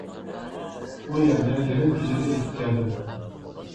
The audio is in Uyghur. ئۇ يەرگە يېرىم كېچىدە يېتىپ كەلدىم.